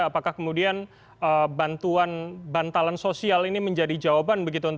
apakah kemudian bantuan bantalan sosial ini menjadi jawaban